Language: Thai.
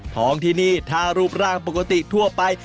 ท้องที่นี่ถ้ารูปร่างปกติทั่วไป